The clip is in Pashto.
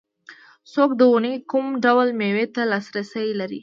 څوک د ونې کوم ډول مېوې ته لاسرسی لري